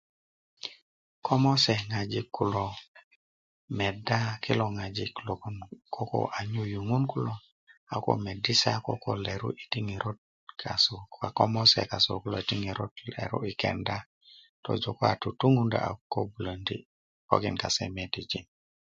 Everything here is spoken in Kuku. ko mose ŋojik kulo meda kilo ŋojik logon koko aje yuŋun kulo a koko medi' se a koko leru yiti' ŋerot kase a ko mose kase kulo yiti' ŋerot leru kase kenda yi kenda tojo ko koko a tutuŋundö a koko bulöndi pokin kade medijin